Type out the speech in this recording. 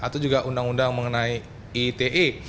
atau juga undang undang mengenai ite